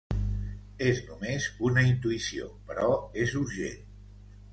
És només una intuïció, però és urgent!